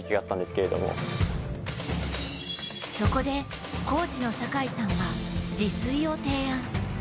そこでコーチの酒井さんは自炊を提案。